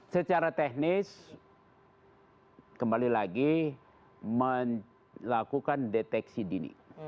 secara teknis kembali lagi melakukan deteksi dini